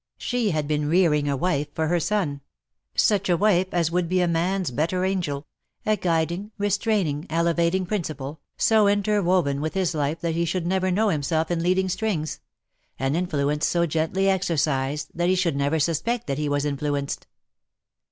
She had been rearing a wife for her son — such a wife as would be a man's better angel — a guiding, restraining, elevating principle, so interwoven with his life that he should never know himself in leading strings — an influence so gently exercised that he should never suspect that he was influenced.